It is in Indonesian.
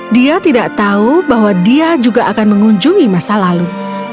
dia tidak tahu bahwa dia juga akan mengunjungi masa lalu